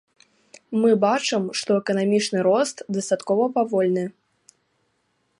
Мы бачым, што эканамічны рост дастаткова павольны.